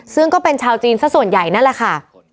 ซึ่งก็เป็นชาวจีนซะส่วนใหญ่นั่นแหละค่ะ